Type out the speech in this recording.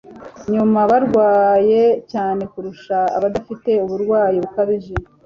nyuma barwaye cyane kurusha abadafite uburwayi bukabije